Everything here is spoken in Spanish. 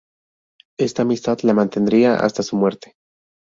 Esta amistad la mantendría hasta su muerte.